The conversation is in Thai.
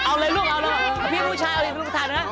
เอาเลยลูกเอาเลยพี่ผู้ชายเอาดิลูกสถานะ